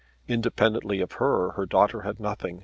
Independently of her her daughter had nothing.